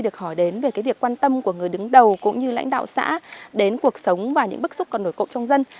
cũng như lãnh đạo xã đến cuộc sống và những bức xúc còn nổi cộng trong dân